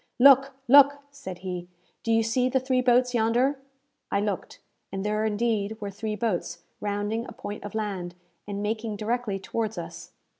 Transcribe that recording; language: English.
"Look! look!" said he. "Do you see the three boats yonder?" I looked, and there indeed were three boats rounding a point of land, and making directly towards us.